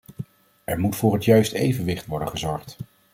Er moet voor het juiste evenwicht worden gezorgd.